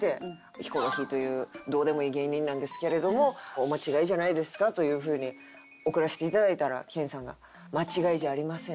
「ヒコロヒーというどうでもいい芸人なんですけれどもお間違いじゃないですか？」というふうに送らせて頂いたら研さんが「間違いじゃありません。